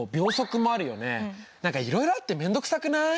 何かいろいろあってめんどくさくない？